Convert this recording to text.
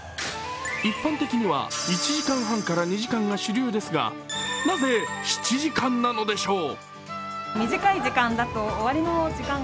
一般的には１時間半から２時間が主流ですが、なぜ７時間なのでしょう。